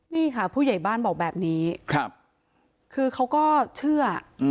นี่ค่ะผู้ใหญ่บ้านบอกแบบนี้คือเขาก็เชื่อ